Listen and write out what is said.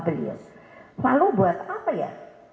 beliau lalu buat apa ya